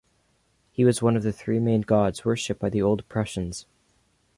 He was one of the three main gods worshiped by the Old Prussians.